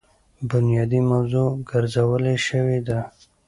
بنيادي موضوع ګرځولے شوې ده.